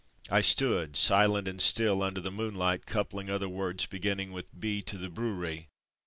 I stood, silent and still, under the moonlight, coupling other words begin ning with B to the brewery.